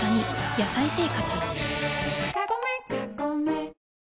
「野菜生活」